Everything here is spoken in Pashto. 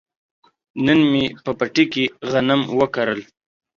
نن مې په پټي کې غنم وکرل.